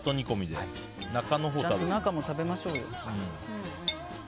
ちゃんと中も食べましょうよ。